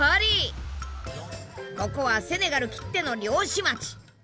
ここはセネガルきっての漁師町。